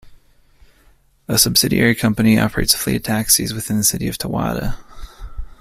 A subsidiary company, operates a fleet of taxis within the city of Towada.